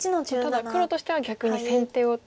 ただ黒としては逆に先手を。